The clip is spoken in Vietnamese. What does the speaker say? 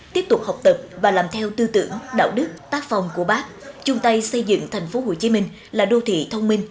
tiếp tục học tập và làm theo tư tưởng đạo đức tác phòng của bác chung tay xây dựng tp hcm là đô thị thông minh